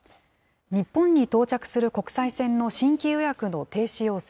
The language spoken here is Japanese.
日本に到着する国際線の新規予約の停止要請。